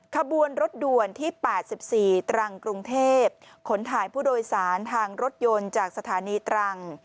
ขบวนรถด่วนที่๘๔ตรังกรุงเทพขนถ่ายผู้โดยสารทางรถยนต์จากสถานีตรัง